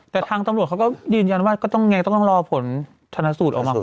แต่ทางตำรวจเขาก็ยืนยันว่าก็ต้องไงต้องรอผลชนสูตรออกมาก่อน